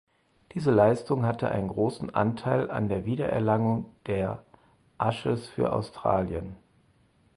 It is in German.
Diese Leistung hatte einen großen Anteil an der Wiedererlangung der Ashes für Australien.